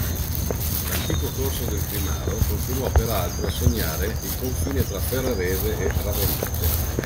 L'antico corso del Primaro continuò peraltro a segnare il confine tra ferrarese e ravennate.